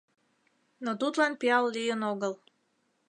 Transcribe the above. Но тудлан пиал лийын огыл.